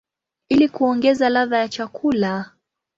ili kuongeza ladha ya chakula.